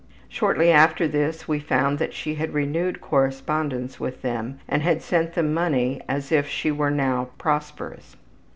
Shortly after this we found that she had renewed correspondence with them and had sent them money as if she were now prosperous.